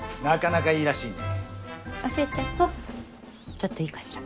ちょっといいかしら？